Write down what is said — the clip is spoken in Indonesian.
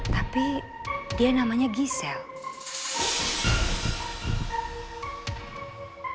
tapi dia namanya giselle